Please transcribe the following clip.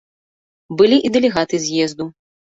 Былі і дэлегаты з'езду.